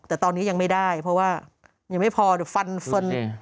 แต่ตอนนี้ยังไม่ได้เพราะว่ายังไม่พอฟันฟัน